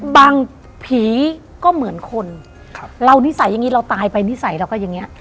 บางทีก็เหมือนคนเรานิสัยอย่างนี้เราตายไปนิสัยเราก็อย่างนี้